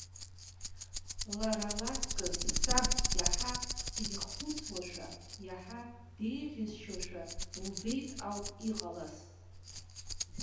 Лара лаҵкыс, саб иаҳа сиххәыцуашәа, иаҳа деиӷьысшьошәа лбеит ауп иҟалаз.